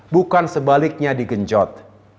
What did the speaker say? bukan sebaliknya digenjot